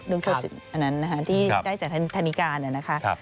ลูกโทษอันนั้นนะครับที่ได้จากธนิกาเนี่ยนะคะ